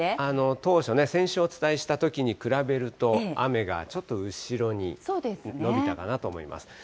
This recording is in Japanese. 当初ね、先週お伝えしたときに比べると、雨がちょっと後ろに延びたかなと思います。